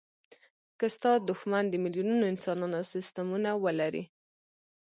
که ستا دوښمن د میلیونونو انسانانو سستمونه ولري.